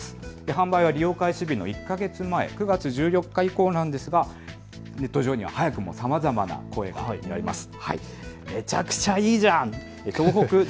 販売は利用開始日の１か月前９月１４日以降なんですがネット上には早くもさまざまな声が見られます。